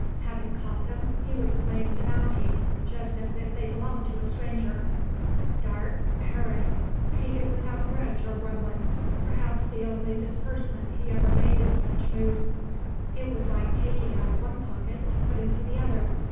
Having caught them, he would claim the "bounty," just as if they belonged to a stranger. Darke, pere, paid it without grudge or grumbling perhaps the only disbursement he ever made in such mood. It was like taking out of one pocket to put into the other.